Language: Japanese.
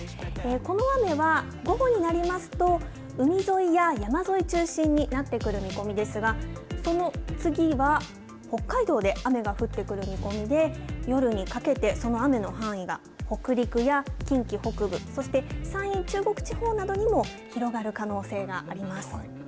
この雨は午後になりますと、海沿いや山沿い中心になってくる見込みですが、その次は、北海道で雨が降ってくる見込みで、夜にかけて、その雨の範囲が北陸や近畿北部、そして山陰、中国地方などにも、広がる可能性があります。